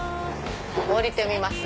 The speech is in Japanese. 降りてみます！